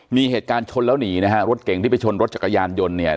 มีเหตุการณ์ชนแล้วหนีนะฮะรถเก่งที่ไปชนรถจักรยานยนต์เนี่ย